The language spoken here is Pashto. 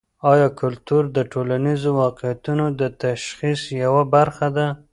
ایا کلتور د ټولنیزو واقعیتونو د تشخیص یوه برخه ده؟